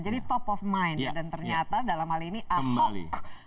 jadi top of mind dan ternyata dalam hal ini ahok menduduki pemerintah